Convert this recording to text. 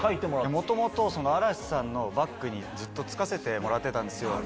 元々嵐さんのバックにずっとつかせてもらってたんですよ。